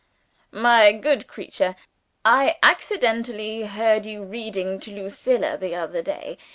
"My good creature, I accidentally heard you reading to Lucilla, the other day.